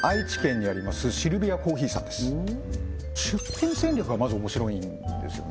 それは出店戦略がまず面白いんですよね